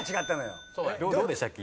どうでしたっけ？